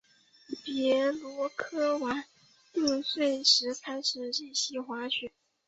别洛鲁科娃六岁时开始练习滑雪。